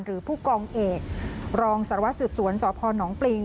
หรือผู้กองเอกรองสารวัสสืบสวนสพนปริง